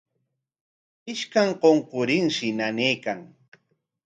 Ishkan qunqurinshi nanaykan.